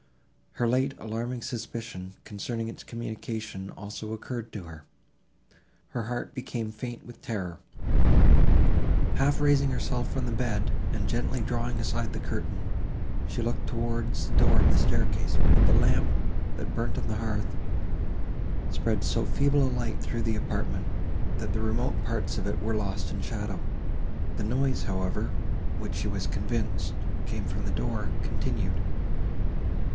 Her late alarming suspicion, concerning its communication, also occurred to her. Her heart became faint with terror. Half raising herself from the bed, and gently drawing aside the curtain, she looked towards the door of the staircase, but the lamp, that burnt on the hearth, spread so feeble a light through the apartment, that the remote parts of it were lost in shadow. The noise, however, which, she was convinced, came from the door, continued.